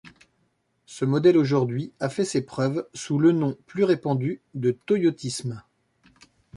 Ce modèle aujourd'hui a fait ses preuves sous le nom plus répandu de toyotisme.